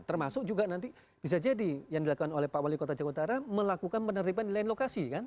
termasuk juga nanti bisa jadi yang dilakukan oleh pak wali kota jakarta utara melakukan penertiban di lain lokasi kan